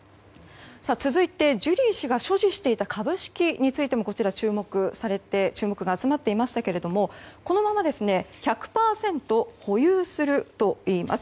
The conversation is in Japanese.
続いて、ジュリー氏が所持していた株式についても注目が集まっていましたがこのまま１００％保有するといいます。